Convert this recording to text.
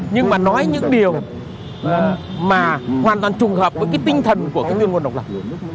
nhưng mà nói những điều mà hoàn toàn trùng hợp với cái tinh thần của cái nguyên nguồn độc lập